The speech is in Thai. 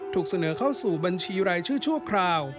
ถูกเสนอเข้าสู่บัญชีรายชื่อชั่วคราว